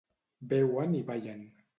Beuen i ballen.